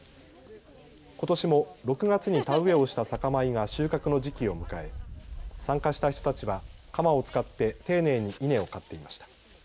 ことしも６月に田植えをした酒米が収穫の時期を迎え参加した人たちは鎌を使って丁寧に稲を刈っていました。